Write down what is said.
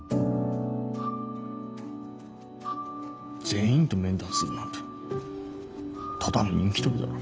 全員と面談するなんてただの人気取りだろ。